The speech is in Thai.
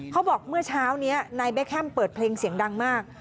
เมื่อเช้านี้นายเบคแฮมเปิดเพลงเสียงดังมาก